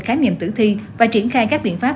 khám nghiệm tử thi và triển khai các biện pháp